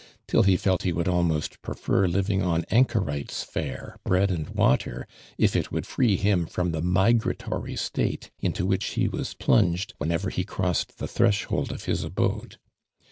till he felt he would almost prefer living pn anchorite's faro, brend and water, if it woidd tree him from the migratory state into which lie was plunged, whenever hu crossed the threshold of his abode.